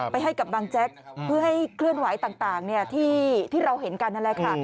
ให้กับบางแจ๊กเพื่อให้เคลื่อนไหวต่างที่เราเห็นกันนั่นแหละค่ะ